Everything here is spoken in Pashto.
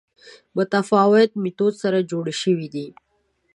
متفاوت میتود سره جوړې شوې دي